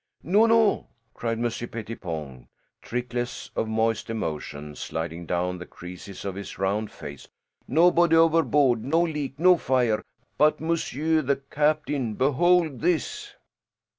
"No, no!" cried Monsieur Pettipon, trickles of moist emotion sliding down the creases of his round face. "Nobody overboard; no leak; no fire. But monsieur the captain behold this!"